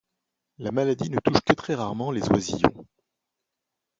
La maladie ne touche que très rarement les oisillons.